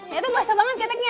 ya itu basah banget teteknya